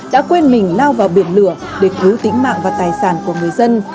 đã quên mình lao vào biển lửa để cứu tính mạng và tài sản của người dân